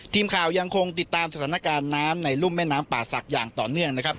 ทีมข่าวยังคงติดตามสถานการณ์น้ำในรุ่มแม่น้ำป่าศักดิ์อย่างต่อเนื่องนะครับ